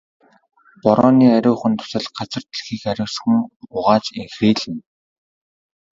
Борооны ариухан дусал газар дэлхийг ариусган угааж энхрийлнэ.